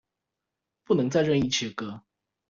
不能再任意切割